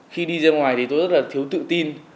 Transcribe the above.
khi đi ra ngoài thì tôi rất là thiếu tự tin